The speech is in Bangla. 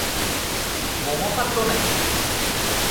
বোমা ফাটলো নাকি?